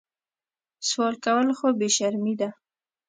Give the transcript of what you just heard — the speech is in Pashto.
سوال کول خو بې شرمي ده